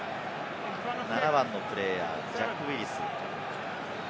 ７番のプレーヤー、ジャック・ウィリス。